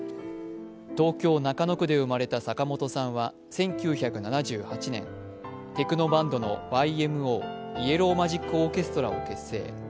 東京・中野区で生まれた坂本さんは１９７８年、テクノバンドのＹＭＯ＝イエロー・マジック・オーケストラを結成。